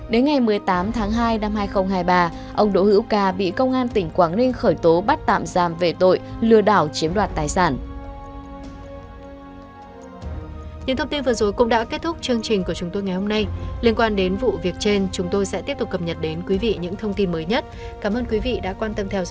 đến ngày một mươi tám tháng hai năm hai nghìn hai mươi ba ông đỗ hữu ca bị công an tỉnh quảng ninh khởi tố bắt tạm giam về tội lừa đảo chiếm đoạt tài sản